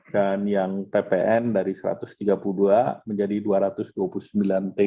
dan yang ppn dari rp satu ratus tiga puluh dua menjadi rp dua ratus dua puluh sembilan